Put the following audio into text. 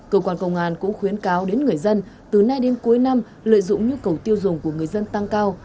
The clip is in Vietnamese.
cơ quan công an cũng khuyến cáo đến người dân từ nay đến cuối năm lợi dụng nhu cầu tiêu dùng của người dân tăng cao